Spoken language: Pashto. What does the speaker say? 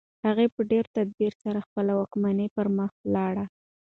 هغه په ډېر تدبیر سره خپله واکمني پرمخ وړله.